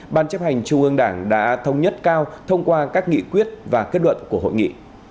ban chấp hành trung ương đảng đã thống nhất cao thông qua các nghị quyết và kết luận của hội nghị